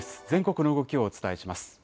全国の動きをお伝えします。